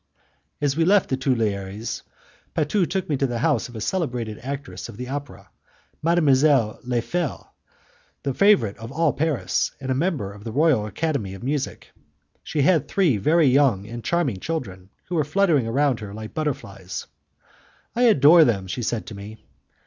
As we left the Tuileries, Patu took me to the house of a celebrated actress of the opera, Mademoiselle Le Fel, the favourite of all Paris, and member of the Royal Academy of Music. She had three very young and charming children, who were fluttering around her like butterflies. "I adore them," she said to me.